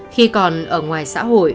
khi còn ở ngoài xã hội